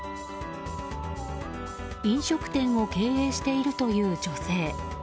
飲食店を経営しているという女性。